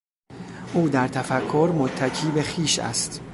او در تفکر متکی به خویش است.